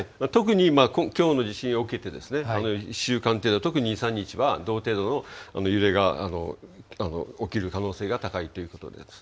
特にきょうの地震が起きて１週間程度、特に２、３日は同程度の揺れが起きる可能性が高いということです。